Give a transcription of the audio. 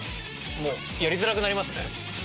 やりづらくなりますね。